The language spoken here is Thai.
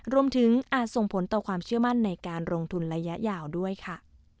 อาจส่งผลต่อความเชื่อมั่นในการลงทุนระยะยาวด้วยค่ะ